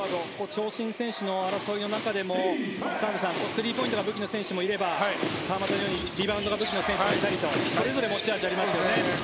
長身選手の争いの中でも澤部さん、スリーポイントが武器の選手もいれば川真田のようにリバウンドが武器の選手もいたりとそれぞれ持ち味ありますよね。